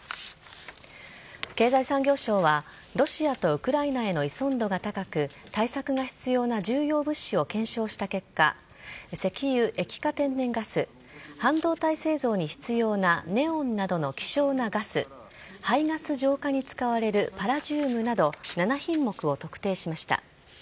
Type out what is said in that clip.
経済産業省はロシアとウクライナへの依存度が高く対策が必要な重要物資を検証した結果石油・液化天然ガス半導体製造に必要なネオンなどの希少ガス排ガス浄化に使われるパラジウムなど７品目を特定しました。